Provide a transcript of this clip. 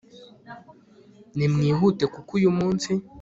nimwihute kuko uyu munsi